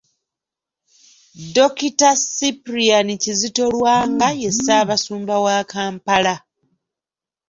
Dr. Ciprian Kizito Lwanga ye Ssaabasumba wa Kampala.